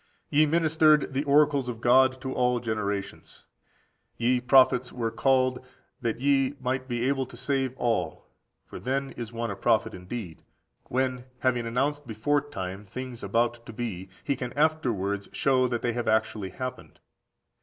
Ye ministered the oracles of God to all generations. Ye prophets were called, that ye might be able to save all. For then is one a prophet indeed, when, having announced beforetime things about to be, he can afterwards show that they have actually happened.